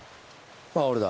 あぁ俺だ。